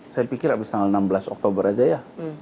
saya pikir abis tanggal enam belas oktober aja ya